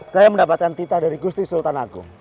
saya mendapatkan titah dari gusti sultan agung